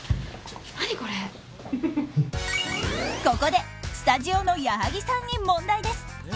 ここでスタジオの矢作さんに問題です。